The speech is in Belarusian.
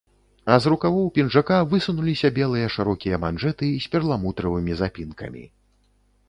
А з рукавоў пінжака высунуліся белыя шырокія манжэты з перламутравымі запінкамі.